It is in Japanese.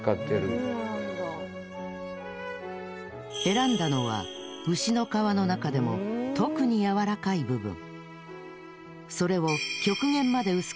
選んだのは牛の革の中でも特に柔らかい部分。